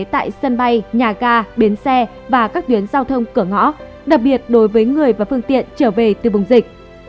tại sân bay nhà ga bến xe và các tuyến giao thông cửa ngõ đặc biệt đối với người và phương tiện trở về từ vùng dịch